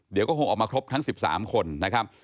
เดี๋ยวก็คงออกมาครบทั้ง๑๓คนนะครับ